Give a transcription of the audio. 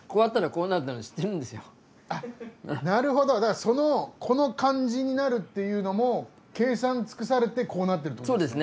なるほどだからこの感じになるっていうのも計算尽くされてこうなってるってことですか？